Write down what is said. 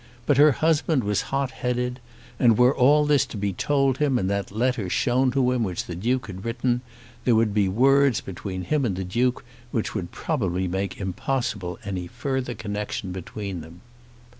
But her husband was hot headed, and, were all this to be told him and that letter shown to him which the Duke had written, there would be words between him and the Duke which would probably make impossible any further connection between them.